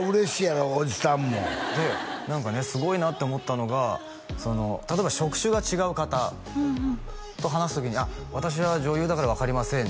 やろおじさんもで何かねすごいなって思ったのが例えば職種が違う方と話す時に「あっ私は女優だから分かりません」